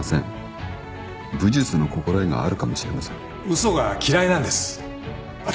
嘘が嫌いなんです私。